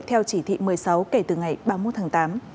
theo chỉ thị một mươi sáu kể từ ngày ba mươi một tháng tám